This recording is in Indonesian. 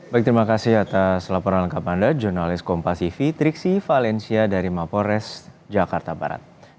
baik terima kasih atas laporan lengkap anda jurnalis kompasifi triksi valencia dari mapores jakarta barat